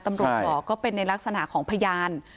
ตำรวจบอกก็เป็นในลักษณะของพยาน